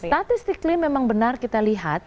statistically memang benar kita lihat